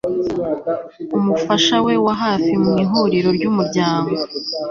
umufasha we wa hafi mu ihuriro ry'umuryango